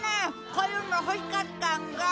こういうの欲しかったんだ。